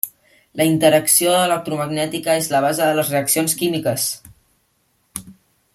La interacció electromagnètica és la base de les reaccions químiques.